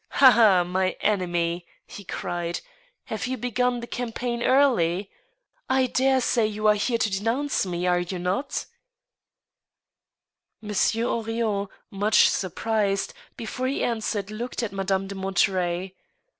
" Ha ! ha ! my enemy," he cried ;" have you begun the campaign early ? I dare say you are here to denounce me — are not you ?" Monsieur Henrion, much surprised, before he answered, looked at Madame de Monterey.